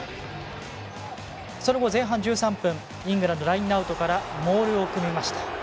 その後前半１３分、イングランドラインアウトからモールを組みました。